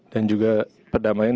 dan juga perdamaian